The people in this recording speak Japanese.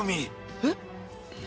えっ？